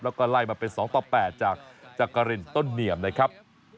แล้วก็ไล่มาเป็น๒ต่อ๘จากจักรินต้นเหนียมนะครับ